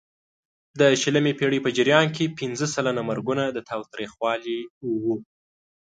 د شلمې پېړۍ په جریان کې پینځه سلنه مرګونه د تاوتریخوالي وو.